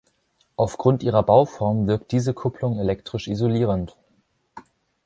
Aufgrund ihrer Bauform wirkt diese Kupplung elektrisch isolierend.